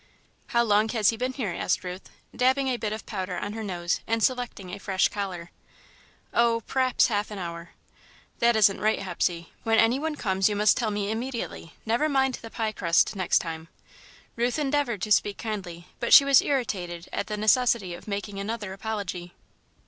"How long has he been here?" asked Ruth, dabbing a bit of powder on her nose and selecting a fresh collar. "Oh, p'raps half an hour." "That isn't right, Hepsey; when anyone comes you must tell me immediately. Never mind the pie crust next time." Ruth endeavoured to speak kindly, but she was irritated at the necessity of making another apology.